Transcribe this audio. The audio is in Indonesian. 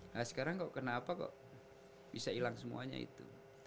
nah sekarang kok kenapa kok bisa hilang semuanya itu